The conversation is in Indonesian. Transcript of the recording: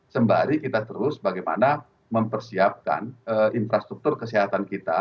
sembari kita terus bagaimana mempersiapkan infrastruktur kesehatan kita